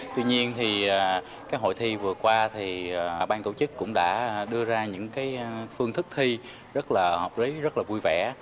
tuy nhiên thì cái hội thi vừa qua thì ban tổ chức cũng đã đưa ra những cái phương thức thi rất là hợp lý rất là vui vẻ